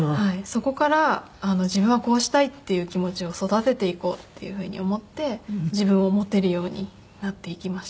そこから自分はこうしたいっていう気持ちを育てていこうっていうふうに思って自分を持てるようになっていきました。